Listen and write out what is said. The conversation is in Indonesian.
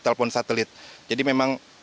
telepon satelit jadi memang